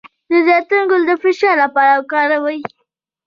د زیتون ګل د فشار لپاره وکاروئ